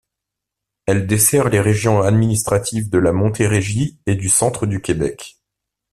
Elle dessert les régions administratives de la Montérégie et du Centre-du-Québec.